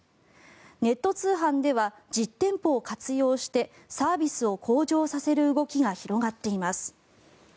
ネット通販では実店舗を活用してサービスを向上させる動きが広がっています。